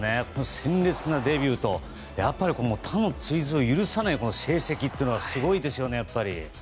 鮮烈なデビューと他の追随を許さない成績というのはすごいですよね、やっぱり。